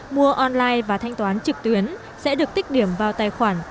mua online và thanh toán trực tuyến sẽ được tích điểm vào tài khoản